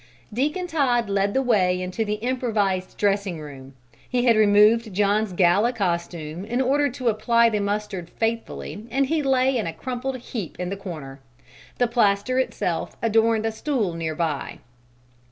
Deacon Todd led the way into the improvised dressing room. He had removed John's gala costume in order to apply the mustard faithfully and he lay in a crumpled heap in the corner. The plaster itself adorned a stool near by.